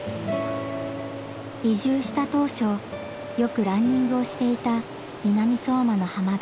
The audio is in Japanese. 移住した当初よくランニングをしていた南相馬の浜辺。